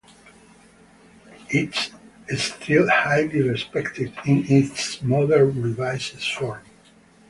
It is still highly respected in its modern, revised form.